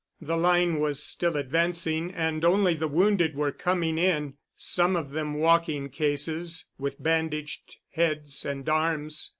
The line was still advancing and only the wounded were coming in—some of them walking cases, with bandaged heads and arms.